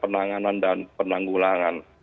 dan juga untuk penanggulangan